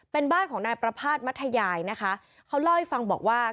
เป็นบ้านของนายประภาษณ์มัธยายนะคะเขาเล่าให้ฟังบอกว่า